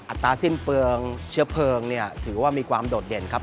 ตราสิ้นเปลืองเชื้อเพลิงเนี่ยถือว่ามีความโดดเด่นครับ